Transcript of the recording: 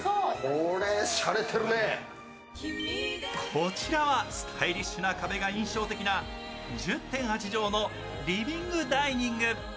こちらはスタイリッシュな壁が印象的な１０．８畳のリビングダイニング。